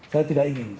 saya tidak ingin